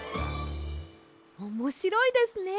おもしろいですね！